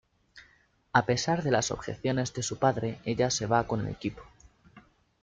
A pesar de las objeciones de su padre, ella se va con el equipo.